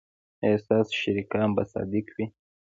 ایا ستاسو شریکان به صادق وي؟